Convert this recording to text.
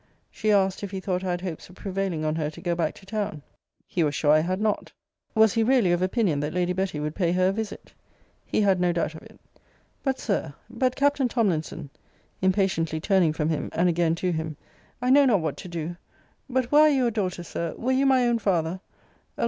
She asked, if he thought I had hopes of prevailing on her to go back to town? He was sure I had not. Was he really of opinion that Lady Betty would pay her a visit? He had no doubt of it. But, Sir; but, Captain Tomlinson [impatiently turning from him, and again to him] I know not what to do but were I your daughter, Sir were you my own father Alas!